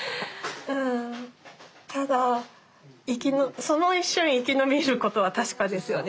ただその一瞬生き延びることは確かですよね。